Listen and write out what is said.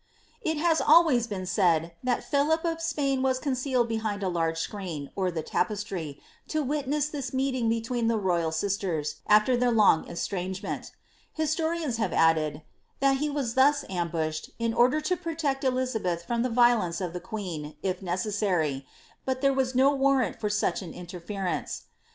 It has always been said, that Philip of Spain was concealed behind a large screen, or the tapestry, to witness this meeting between the royal sisters, after their long estrangement. Ui!>torians have added, ^^ that he was thus ambushed, in order to protect Elizabeth from the violence of the queen, if necessary, but there was no warrant for such an inference.